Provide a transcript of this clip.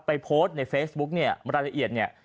โพสต์ในเฟซบุ๊กเนี่ยรายละเอียดเนี่ย